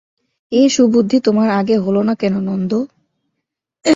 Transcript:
এ সুবুদ্ধি তোমার আগে হল না কেন নন্দ?